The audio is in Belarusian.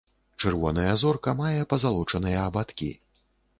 Чырвоная зорка мае пазалочаныя абадкі.